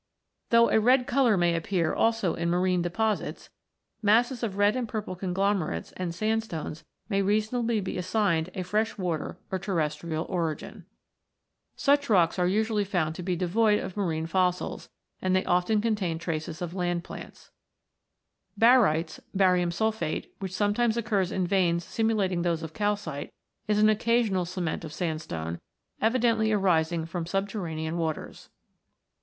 Though a red colour may appear also in marine deposits, masses of red and purple conglomerates and sandstones may reasonably be assigned a freshwater or terrestrial origin. Such rocks are usually found 62 ROCKS AND THEIR ORIGINS [CH. to be devoid of marine fossils, and they often contain traces of land plants. Barytes (barium sulphate), which sometimes occurs in veins simulating those of calcite, is an occasional cement of sandstone, evidently arising from subterranean waters.